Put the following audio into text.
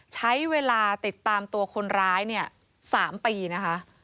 ใช้เวลาติดตามตัวคนร้ายเนี่ย๓ปีนะคะ